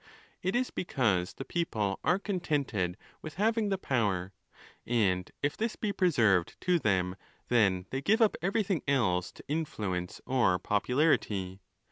It is because the people are contented with having the 'power; and if 'this be preserved to them, then they give up everything else to influence or popularity.